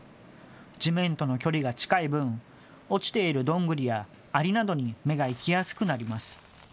地面との距離が近い分、落ちているどんぐりやありなどに目が行きやすくなります。